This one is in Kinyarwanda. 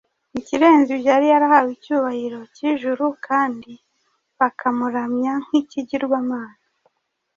Ikirenze ibyo yari yarahawe icyubahiro cy’ijuru kandi bakamuramya nk’ikigirwamana.